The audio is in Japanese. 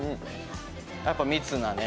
やっぱ密なね。